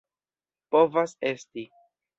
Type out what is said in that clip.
Povas esti.